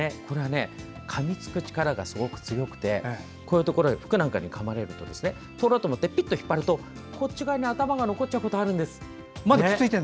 かみつく力がすごく強くて服なんかをかまれると取ろうと思ってピッと引っ張るとこっち側に頭が残っちゃうことがあるんです。